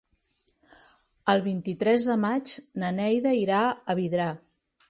El vint-i-tres de maig na Neida irà a Vidrà.